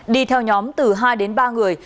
đi theo nhóm từ hai đến ba người